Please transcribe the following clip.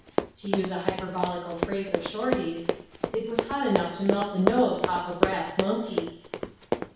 To use a hyper bolical phrase of Shorty's, " It was hot enough to melt the nose h'off a brass monkey."